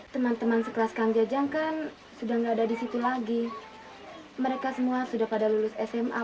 teman teman sekelas kang jajang kan sudah nggak ada di situ lagi mereka semua sudah pada lulus sma